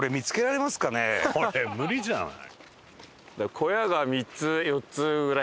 これ無理じゃない？